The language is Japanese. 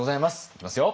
いきますよ。